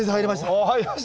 おお入りました？